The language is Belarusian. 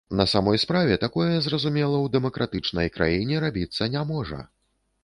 На самой справе, такое, зразумела, у дэмакратычнай краіне рабіцца не можа.